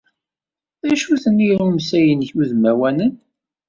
D acu-ten yirumsa-nnek udmawanen?